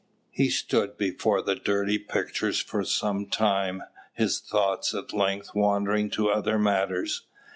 He stood before the dirty pictures for some time, his thoughts at length wandering to other matters.